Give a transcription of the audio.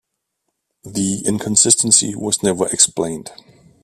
The inconsistency was never explained.